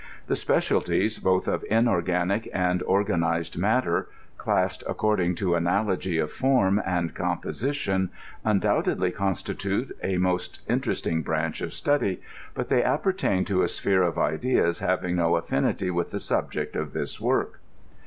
The specialties both of inorganic and or ganized matter, classed according to analogy of form and com position, undoubtedly constitute a most interesting branch of study, but they appertain to a sphere of ideas having no affin ity with the subject of this work.